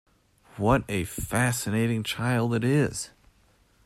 What a fascinating child it is!